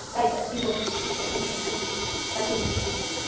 Taytaa Chimbotepita ishkay mushuq punchuta traachimushqa.